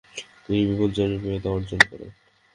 তিনি বিপুল জনপ্রিয়তা অর্জন করেন।